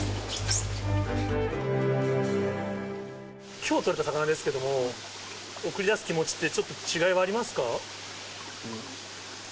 きょう取れた魚ですけれども、送り出す気持ちって、ちょっと違いはありますか。